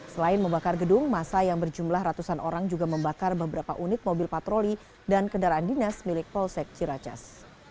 selain membakar gedung masa yang berjumlah ratusan orang juga membakar beberapa unit mobil patroli dan kendaraan dinas milik polsek ciracas